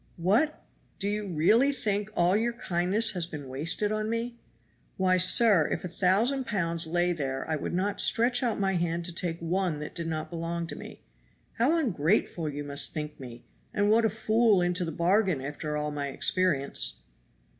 "What! do you really think all your kindness has been wasted on me? Why, sir, if a thousand pounds lay there I would not stretch out my hand to take one that did not belong to me. How ungrateful you must think me, and what a fool into the bargain after all my experience!"